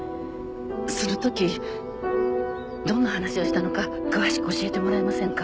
そのときどんな話をしたのか詳しく教えてもらえませんか？